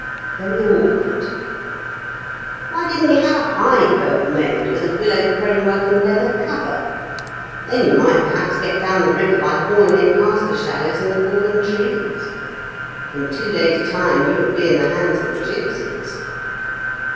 "Very awkward." "Why didn't you have a hide boat made, with a willow framework and leather cover? Then you might perhaps get down the river by hauling it past the shallows and the fallen trees. In two days' time you would be in the hands of the gipsies."